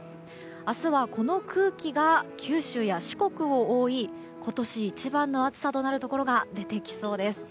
明日はこの空気が九州や四国を覆い今年一番の暑さとなるところが出てきそうです。